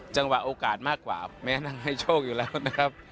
โอกาสมากกว่าแม้นางให้โชคอยู่แล้วนะครับ